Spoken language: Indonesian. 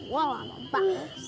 wah lama banget